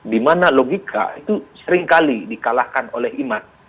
dimana logika itu seringkali di kalahkan oleh iman